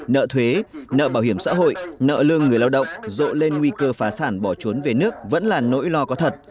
nợ thuế nợ bảo hiểm xã hội nợ lương người lao động rộ lên nguy cơ phá sản bỏ trốn về nước vẫn là nỗi lo có thật